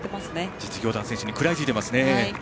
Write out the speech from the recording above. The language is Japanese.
実業団選手に食らいついていますね。